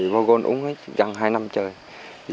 voi gôn uống gần hai năm trời